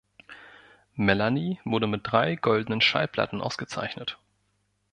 Melanie wurde mit drei goldenen Schallplatten ausgezeichnet.